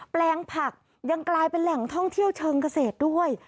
แปลงผักยังกลายเป็นแหล่งท่องเที่ยวเชิงเกษตรด้วย